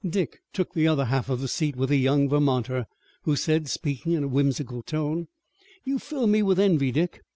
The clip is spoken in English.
Dick took the other half of the seat with the young Vermonter, who said, speaking in a whimsical tone: "You fill me with envy, Dick.